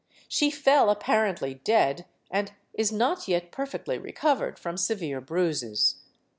She fell, apparently dead, and is not yet perfectly recovered from severe bruises.